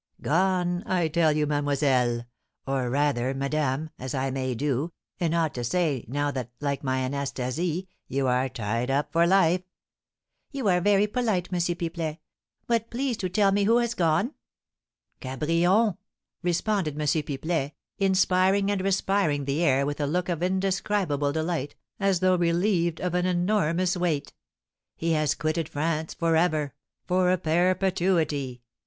"Gone! I tell you, mademoiselle, or, rather, madame, as I may, do, and ought to say, now that, like my Anastasie, you are tied up for life." "You are very polite, M. Pipelet; but please to tell me who has gone?" "Cabrion!" responded M. Pipelet, inspiring and respiring the air with a look of indescribable delight, as though relieved of an enormous weight; "he has quitted France for ever for a perpetuity!